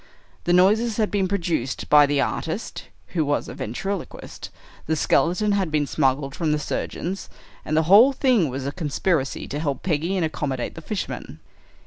The noises had been produced by the artist, who was a ventriloquist, the skeleton had been smuggled from the surgeons, and the whole thing was a conspiracy to help Peggy and accommodate the fishermen."